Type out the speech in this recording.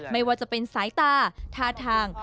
ไม่ว่าจะเป็นสายตาท่าทาง